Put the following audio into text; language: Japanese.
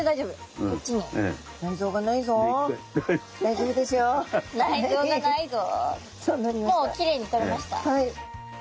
もうきれいに取れました。